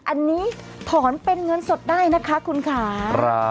อันนี้ถอนเป็นเงินสดได้นะคะคุณค่ะ